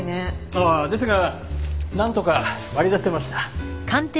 ああですがなんとか割り出せました。